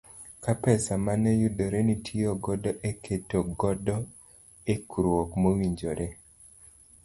Ka pesa mane yudore nitiyo godo e keto godo ikruok mowinjore.